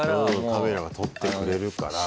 カメラが撮ってくれるから。